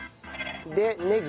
でねぎ。